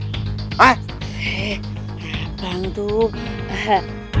hei bang tuh